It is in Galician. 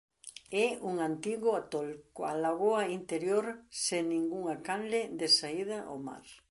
É un antigo atol coa lagoa interior sen ningunha canle de saída ao mar.